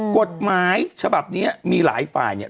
กฎหมายฉบับนี้มีหลายฝ่ายเนี่ย